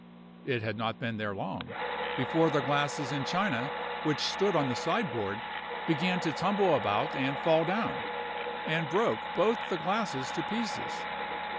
It had not been there long, before the glasses and china which stood on the sideboard began to tumble about and fall down, and broke both the glasses to pieces.